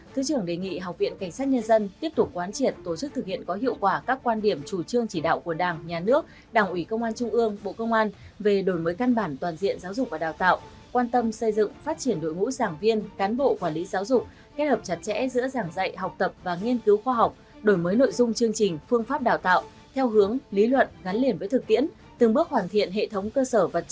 thứ trưởng đề nghị học viện cảnh sát nhân dân tiếp tục quan triển tổ chức thực hiện có hiệu quả các quan điểm chủ trương chỉ đạo của đảng nhà nước đảng ủy công an trung ương bộ công an về đổi mới căn bản toàn diện giáo dục và đào tạo quan tâm xây dựng phát triển đội ngũ giảng viên cán bộ quản lý giáo dục kết hợp chặt chẽ giữa giảng dạy học tập và nghiên cứu khoa học đổi mới nội dung chương trình phương pháp đào tạo theo hướng lý luận gắn liền với thực tiễn từng bước hoàn thiện hệ thống cơ sở vật ch